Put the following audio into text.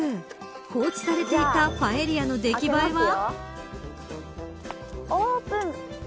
放置されていたパエリアの出来栄えは。